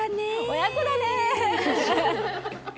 親子だね。